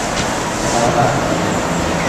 เจ็ดร้อย บาทต่อเดือน